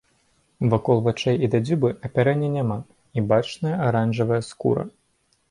Вакол вачэй і да дзюбы апярэння няма і бачная аранжавая скура.